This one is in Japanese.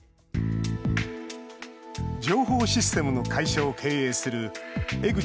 情報システムの会社を経営する江口